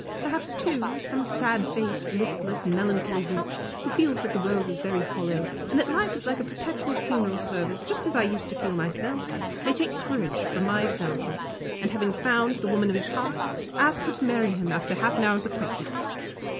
Perhaps, too, some sad faced, listless, melancholy youth, who feels that the world is very hollow, and that life is like a perpetual funeral service, just as I used to feel myself, may take courage from my example, and having found the woman of his heart, ask her to marry him after half an hour's acquaintance.